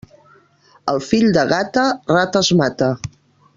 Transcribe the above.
El fill de gata, rates mata.